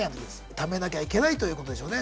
ためなきゃいけないということでしょうね。